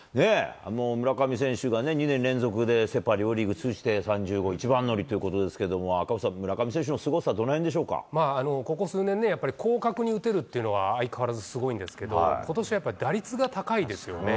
もう村上選手が２年連続でセ・パ両リーグ通じて３０号一番乗りということですけれども、赤星さん、村上選手のすごさ、ここ数年ね、やっぱり広角に打てるというのは、相変わらずすごいんですけど、ことしはやっぱり打率が高いですよね。